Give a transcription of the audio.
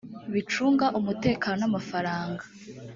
bicunga umutekano ni amafaranga